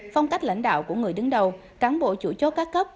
phong cách lãnh đạo của người đứng đầu cán bộ chủ chốt các cấp